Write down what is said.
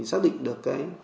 xác định được cái